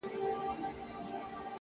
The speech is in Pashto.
جانانه دغه شانې اور- په سړي خوله لگوي-